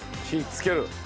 つける。